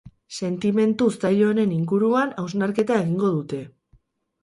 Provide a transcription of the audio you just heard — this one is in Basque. Sentimentu zail honen inguruan hausnarketa egingo dute.